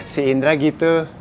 si indra gitu